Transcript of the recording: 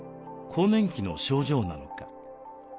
更年期の症状なのか？